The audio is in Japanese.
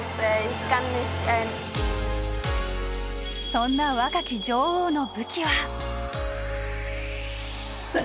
そんな若き女王の武器は。